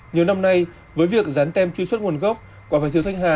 nhiều năm nay với việc rán tem truy xuất nguồn gốc quả phần thiếu thanh hà